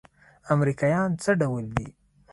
امريکايان څه ډول دي؟